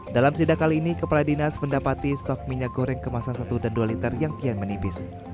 dalam sidak kali ini kepala dinas mendapati stok minyak goreng kemasan satu dan dua liter yang kian menipis